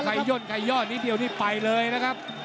ย่นใครย่อนิดเดียวนี่ไปเลยนะครับ